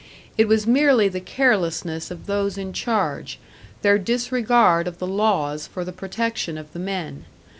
It was merely the carelessness of those in charge, their disregard of the laws for the protection of the men.